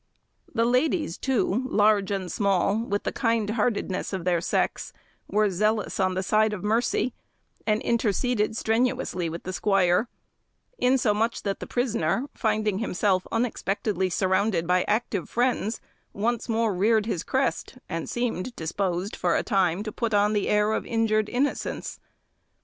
The ladies, too, large and small, with the kindheartedness of their sex, were zealous on the side of mercy, and interceded strenuously with the squire; insomuch that the prisoner, finding himself unexpectedly surrounded by active friends, once more reared his crest, and seemed disposed for a time to put on the air of injured innocence.